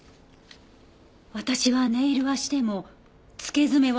「私はネイルはしても付け爪はしません」